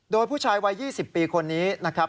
โดยผู้ชายวัย๒๐ปีคนนี้นะครับ